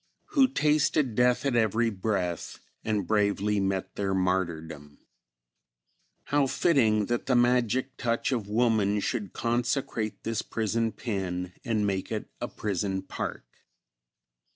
"Who tasted death at every breath And bravely met their martyrdom." "How fitting that the magic touch of woman should consecrate this prison pen and make it a prison park!